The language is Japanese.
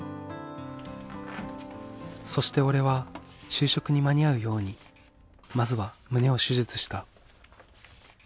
そして俺は就職に間に合うようにまずは胸を手術した。